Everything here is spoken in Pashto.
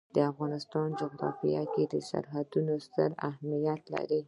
د افغانستان جغرافیه کې سرحدونه ستر اهمیت لري.